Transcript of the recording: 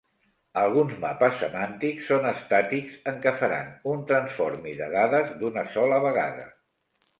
Alguns mapes semàntics són estàtics en què faran un Transformi de dades d'una sola vegada.